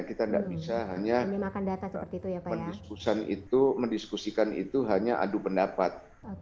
kita tidak bisa hanya mendiskusikan itu hanya adu pendapat